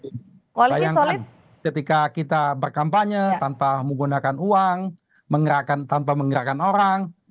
bayangkan ketika kita berkampanye tanpa menggunakan uang menggerakkan tanpa menggerakkan orang